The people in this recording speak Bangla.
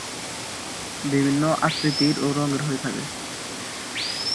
বিভিন্ন আকৃতির ও রঙের হয়ে থাকে।